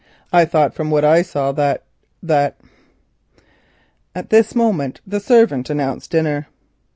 I thought from what I saw, that—that——" At this moment the servant announced dinner.